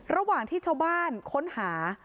ระหว่างที่ชาวบ้านค้นหา